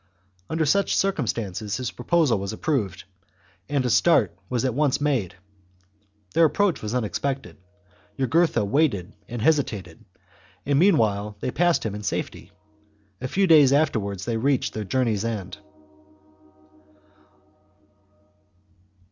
Under such circumstances his proposal was approved, and a start was at once made ; their approach was unexpected, Jugurtha waited and hesitated, and, meanwhile, they passed him in safety. A few days afterwards they reached their journey's end.